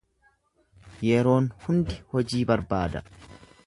Yeroon hundi hojii barbaada.